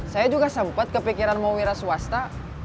saya juga sempat kepikiran mau wira swasta